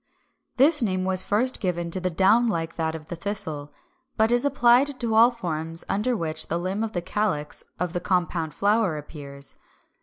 This name was first given to the down like that of the Thistle, but is applied to all forms under which the limb of the calyx of the "compound flower" appears.